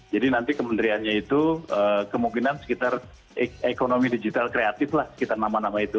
jadi nanti kementeriannya itu kemungkinan sekitar ekonomi digital kreatif lah sekitar nama nama itu